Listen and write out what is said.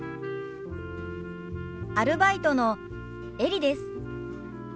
アルバイトのエリです。